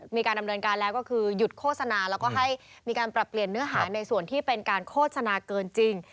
มีการดำเนินการแล้วก็คือหยุดโฆษณาแล้วก็ให้มีการปรับเปลี่ยนเนื้อหาในส่วนที่เป็นการโฆษณาเกินจริง